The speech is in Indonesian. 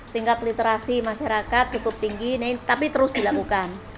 tingkat literasi masyarakat cukup tinggi tapi terus dilakukan